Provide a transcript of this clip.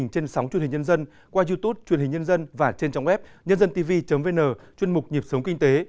trên sóng truyền hình nhân dân qua youtube truyền hình nhân dân và trên trang web nhândântv vn chuyên mục nhịp sống kinh tế